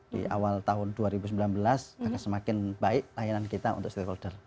di awal tahun dua ribu sembilan belas akan semakin baik layanan kita untuk stakeholder